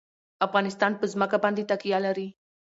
افغانستان په ځمکه باندې تکیه لري.